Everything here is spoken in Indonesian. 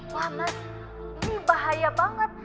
wah mas ini bahaya banget